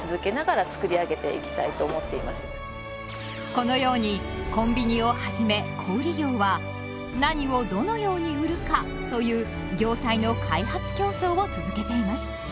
このようにコンビニをはじめ小売業は「何をどのように売るか？」という業態の開発競争を続けています。